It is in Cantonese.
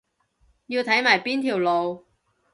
要睇埋邊條路